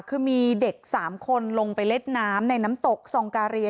คือมีเด็ก๓คนลงไปเล่นน้ำในน้ำตกซองกาเรีย